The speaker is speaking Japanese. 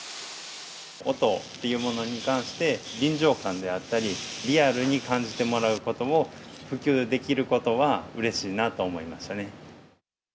音というものに関して、臨場感であったり、リアルに感じてもらうことを普及できることはうれしいなと思いましたね。